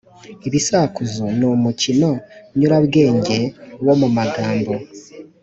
Ibisakuzo ni umukino nyurabwenge wo mu magambo